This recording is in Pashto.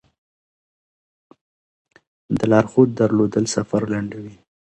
د لارښود درلودل سفر لنډوي.